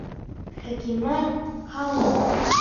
Хәкимә, һаумы!